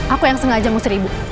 aku yang sengaja mesti ibu